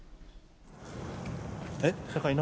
えっ。